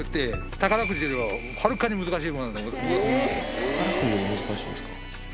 宝くじより難しいんですか。